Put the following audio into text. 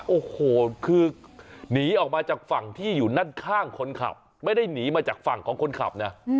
โอ้โหคือหนีออกมาจากฝั่งที่อยู่ด้านข้างคนขับไม่ได้หนีมาจากฝั่งของคนขับนะ